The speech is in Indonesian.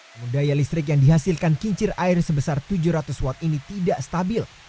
namun daya listrik yang dihasilkan kincir air sebesar tujuh ratus watt ini tidak stabil